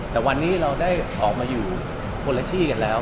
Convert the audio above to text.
แต่วันนี้เราได้ออกมาอยู่คนละที่กันแล้ว